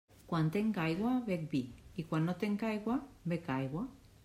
Quan tenc aigua bec vi, i quan no tenc aigua bec aigua.